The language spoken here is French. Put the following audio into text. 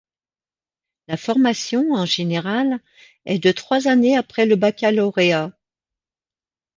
La formation, en général, est de trois années après le baccalauréat.